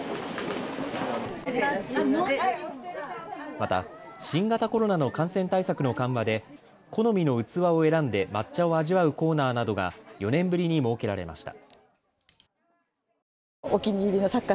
また新型コロナの感染対策の緩和で好みの器を選んで抹茶を味わうコーナーなどが４年ぶりに設けられました。